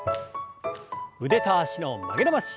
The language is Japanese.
腕と脚の曲げ伸ばし。